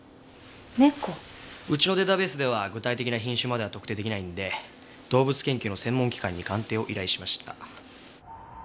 うちのデータベースでは具体的な品種までは特定できないんで動物研究の専門機関に鑑定を依頼しました。